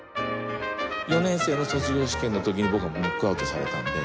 ４年生の卒業試験の時に僕はもうノックアウトされたんで。